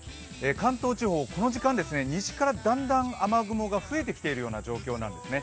関東地方、この時間西からだんだん雨雲が増えてきているような状況なんですね。